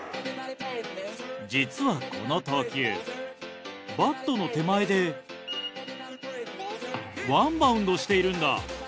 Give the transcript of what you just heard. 実はこの投球バットの手前でワンバウンドしているんだ。